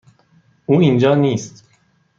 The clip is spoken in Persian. او اینجا نیست.